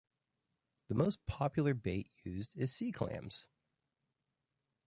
The most popular bait used is sea clams.